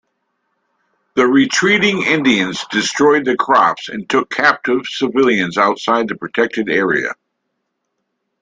The retreating Indians destroyed the crops and took captive civilians outside the protected area.